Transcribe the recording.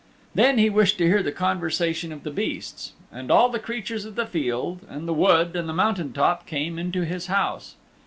Then he wished to hear the conversation of the beasts and all the creatures of the fields and the wood and the mountain top came into his house.